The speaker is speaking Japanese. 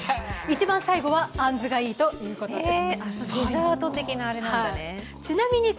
一番最後はあんずがいいということです。